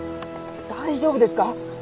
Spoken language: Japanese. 大丈夫ですか？